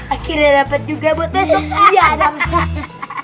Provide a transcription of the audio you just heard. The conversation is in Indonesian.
akhirnya dapat juga buat besok